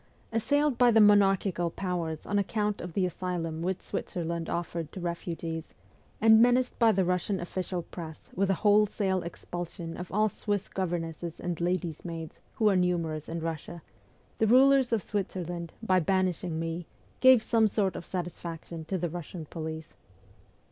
Assailed by the monarchical powers on account of the asylum which Switzerland offered to refugees, and menaced by the Eussian official press with a wholesale expulsion of all Swiss governesses and ladies' maids, who are numerous in Russia, the rulers of Switzerland, by banishing me, gave some sort of satisfaction to the Russian police.